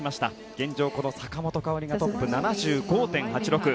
現状、坂本花織がトップで７５．８６。